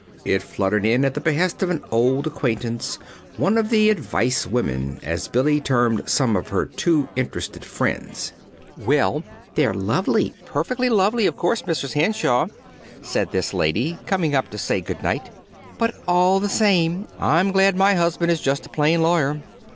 It fluttered in at the behest of an old acquaintance one of the "advice women," as Billy termed some of her too interested friends. "Well, they're lovely, perfectly lovely, of course, Mrs. Henshaw," said this lady, coming up to say good night. "But, all the same, I'm glad my husband is just a plain lawyer.